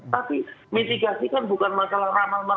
tapi mitigasi kan bukan masalah ramal